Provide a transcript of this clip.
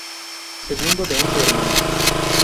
Segundo de once hermanos.